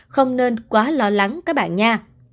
không nên quá lo lắng các bạn nha